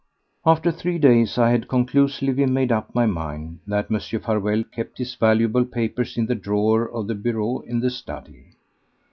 After three days I had conclusively made up my mind that Mr. Farewell kept his valuable papers in the drawer of the bureau in the study.